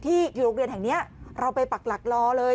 ที่อยู่โรงเรียนแห่งนี้เราไปปักหลักรอเลย